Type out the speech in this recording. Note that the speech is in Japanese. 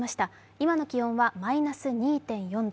今の気温はマイナス２．４度。